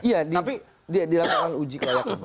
iya di lapangan uji kelayakan dulu